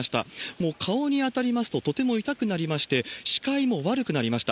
もう顔に当たりますと、とても痛くなりまして、視界も悪くなりました。